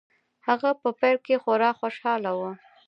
هغه په پيل کې خورا خوشحاله و.